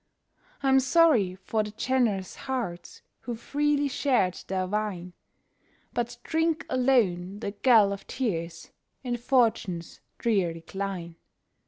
I'm sorry for the generous hearts who freely shared their wine, But drink alone the gall of tears in fortune's drear decline.